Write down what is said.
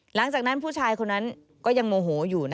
หลังจากนั้นผู้ชายคนนั้นก็ยังโมโหอยู่